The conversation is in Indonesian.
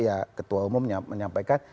ya ketua umum menyampaikan